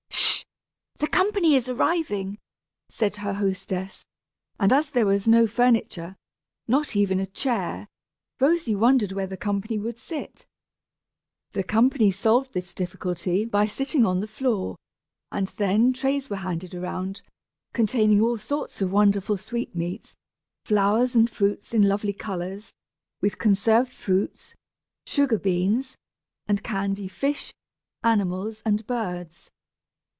"Sh h! the company is arriving!" said her hostess; and as there was no furniture, not even a chair, Rosy wondered where the company would sit. The company solved this difficulty by sitting on the floor; and then trays were handed around, containing all sorts of wonderful sweetmeats, flowers and fruits in lovely colors, with conserved fruits, sugared beans, and candy fish, animals, and birds.